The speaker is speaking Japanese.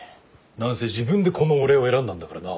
何せ自分でこの俺を選んだんだからな。